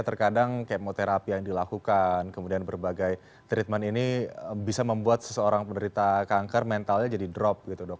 terkadang kemoterapi yang dilakukan kemudian berbagai treatment ini bisa membuat seseorang penderita kanker mentalnya jadi drop gitu dok